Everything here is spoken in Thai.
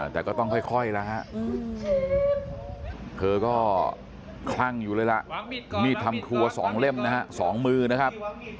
แต่ก็ต้องค่อยแล้วฮะเธอก็คลั่งอยู่เลยล่ะมีดทำครัว๒เล่มนะฮะ๒มือนะครับ